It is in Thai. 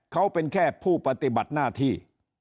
เขาเป็นแค่ผู้ปฏิบัติหน้าที่